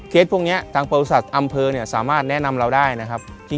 เคสพวกนี้ทางประวัติศาสตร์อำเภอสามารถแนะนำเราได้